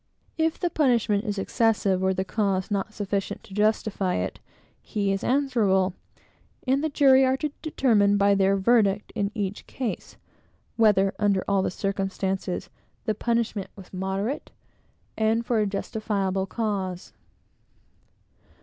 If the punishment is excessive, or the cause not sufficient to justify it, he is answerable; and the jury are to determine, by their verdict in each case, whether, under all the circumstances, the punishment was moderate, and for a justifiable cause.